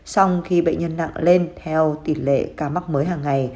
xong khi bệnh nhân nặng lên theo tỷ lệ ca mắc mới hàng ngày